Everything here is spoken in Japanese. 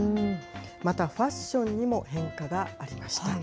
またファッションにも変化がありました。